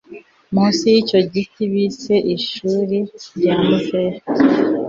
munsi y'icyo giti bise ishuri rya muzehe